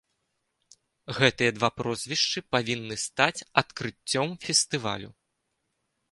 Гэтыя два прозвішчы павінны стаць адкрыццём фестывалю.